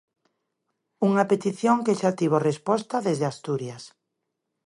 Unha petición que xa tivo resposta desde Asturias.